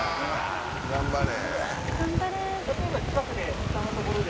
頑張れ。